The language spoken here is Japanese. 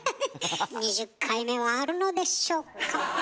２０回目はあるのでしょうか。